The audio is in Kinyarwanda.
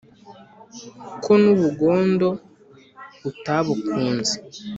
Ko n' ubugondo utabukunze?